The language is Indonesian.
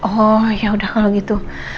oh yaudah kalau gitu